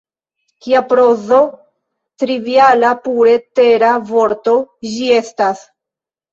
Kia proza, triviala, pure tera vorto ĝi estas!